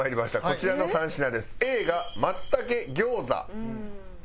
こちらの３品です。